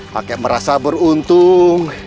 kakek merasa beruntung